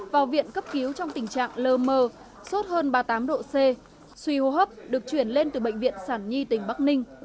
vào viện cấp cứu trong tình trạng lơ mơ sốt hơn ba mươi tám độ c suy hô hấp được chuyển lên từ bệnh viện sản nhi tỉnh bắc ninh